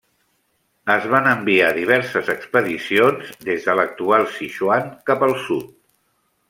Es van enviar diverses expedicions des de l'actual Sichuan cap al sud.